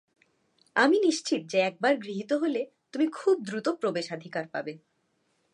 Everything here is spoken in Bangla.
আমি নিশ্চিত যে একবার গৃহীত হলে তুমি খুব দ্রুত প্রবেশাধিকার পাবে।